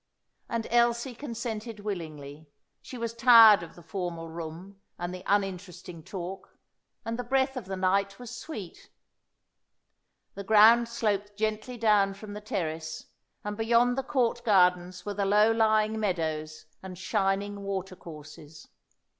And Elsie consented willingly; she was tired of the formal room and the uninteresting talk, and the breath of the night was sweet. The ground sloped gently down from the terrace, and beyond the Court gardens were the low lying meadows and shining watercourses.